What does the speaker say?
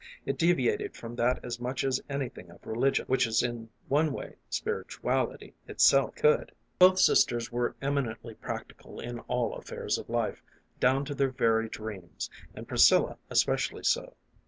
It deviated from that as much as anything of religion which is in one way spirituality itself could. Both sisters were eminently practical in all affairs of life, down to their very dreams, and Priscilla especially so.